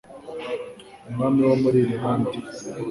umwami wo muri Ireland.